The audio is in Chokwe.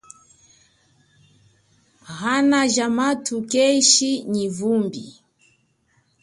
Ana ja mathu keshi nyi vumbi.